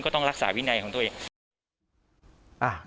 ต้องรักษาวินัยของตัวเอง